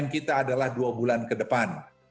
kita adalah dua bulan ke depan